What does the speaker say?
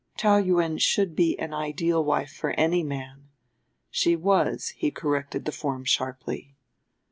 Taou Yuen should be an ideal wife for any man; she was, he corrected the form sharply.